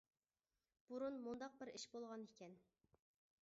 بۇرۇن مۇنداق بىر ئىش بولغان ئىكەن.